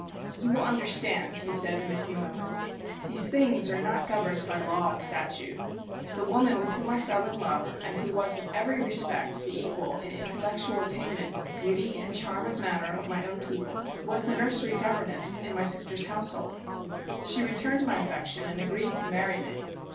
"You will understand," he said in a few moments, "these things are not governed by law and statute. The woman with whom I fell in love and who was in every respect the equal in intellectual attainments, beauty and charm of manner of my own people, was the nursery governess in my sister's household. She returned my affection and agreed to marry me.